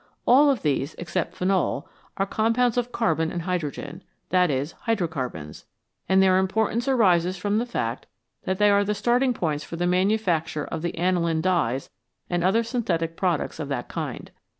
All of these, except phenol, are compounds of carbon and hydrogen, that is, hydrocarbons, and their importance arises from the fact that they are the starting points for the manufacture of the aniline dyes and other synthetic products of that kind.